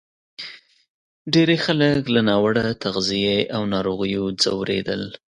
ډېری خلک له ناوړه تغذیې او ناروغیو ځورېدل.